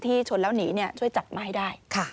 ที่ชนแล้วหนีช่วยจัดไม้ได้